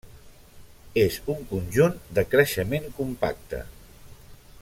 És un conjunt de creixement compacte.